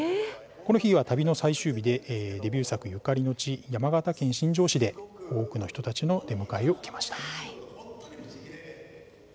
この日は旅の最終日でデビュー作ゆかりの地山形県新庄市で、多くの人たちの出迎えを受けました。